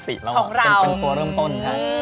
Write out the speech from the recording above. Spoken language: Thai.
ที่เป็นตัวเริ่มต้น